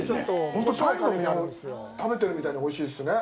本当、鯛の身を食べてるみたいにおいしいですね。